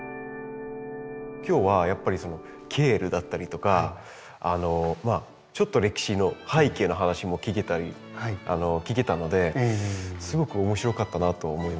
今日はやっぱりケールだったりとかあのちょっと歴史の背景の話も聞けたのですごく面白かったなと思います。